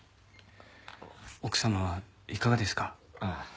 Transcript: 奥様はいかがですか？